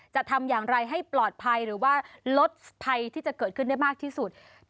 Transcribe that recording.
จะทำอย่างไรให้ปลอดภัยหรือว่าลดภัยที่จะเกิดขึ้นได้มากที่สุด